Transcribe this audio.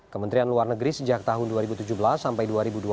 kementerian luar negeri sejak tahun dua ribu tujuh belas sampai dua ribu dua puluh